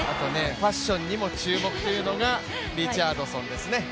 ファッションにも注目というのがリチャードソンですね。